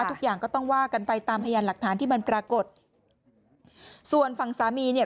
ทุกอย่างก็ต้องว่ากันไปตามพยานหลักฐานที่มันปรากฏส่วนฝั่งสามีเนี่ย